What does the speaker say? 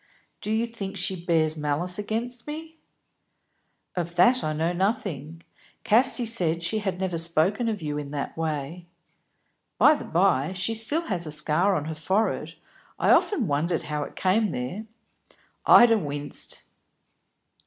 "Do you think she bears malice against me?" "Of that I know nothing. Casti said she had never spoken of you in that way. By the by, she still has a scar on her forehead, I often wondered how it came there." Ida winced.